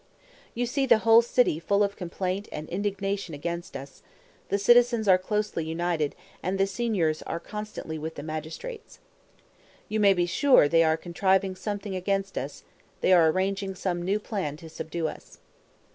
You see the whole city full of complaint and indignation against us; the citizens are closely united, and the signors are constantly with the magistrates. You may be sure they are contriving something against us; they are arranging some new plan to subdue us.